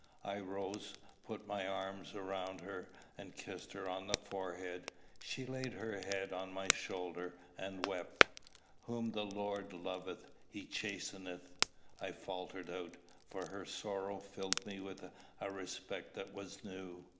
I rose, put my arms about her, and kissed her on the forehead; she laid her head on my shoulder, and wept. "Whom the Lord loveth he chasteneth," I faltered out, for her sorrow filled me with a respect that was new.